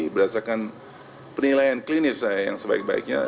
berdasarkan penilaian klinis saya yang sebaik baiknya